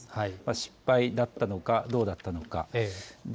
失敗だったのか、どうだったのか。